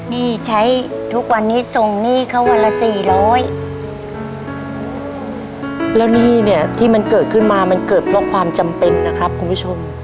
หนี้ใช้ทุกวันนี้ส่งหนี้เขาวันละสี่ร้อยแล้วหนี้เนี่ยที่มันเกิดขึ้นมามันเกิดเพราะความจำเป็นนะครับคุณผู้ชม